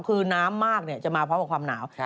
คือน้ำมากจะมาพร้อมกับความหนาว